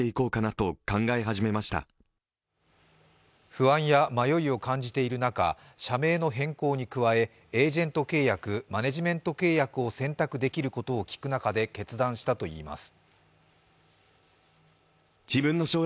不安や迷いを感じている中、社名の変更に加え、エージェント契約マネジメント契約を選択できることを聞く中で決断したといいます。